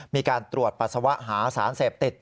มีการตรวจปัสสาวะหาสารเสพติด